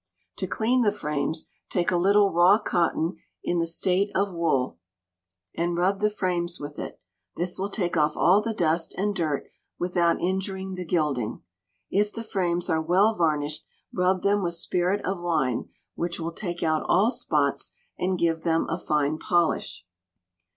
To clean the frames, take a little raw cotton in the state of wool, and rub the frames with it; this will take off all the dust and dirt without injuring the gilding. If the frames are well varnished, rub them with spirit of wine, which will take out all spots, and give them a fine polish.